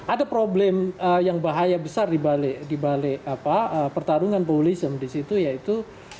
ada problem yang bahaya besar di balik pertarungan populisme disitu yaitu